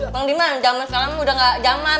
bang diman zaman sekarang udah gak zaman